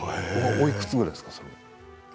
おいくつなんですか？